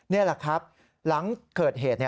นี่แหละครับหลังเกิดเหตุ